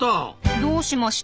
どうしました？